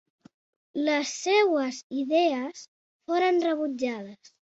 Les seues idees foren rebutjades.